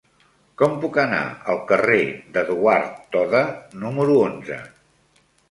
Com puc anar al carrer d'Eduard Toda número onze?